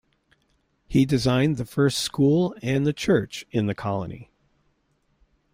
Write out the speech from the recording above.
He designed the first school and the church in the colony.